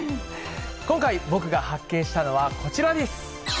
今回、僕が発見したのはこちらです。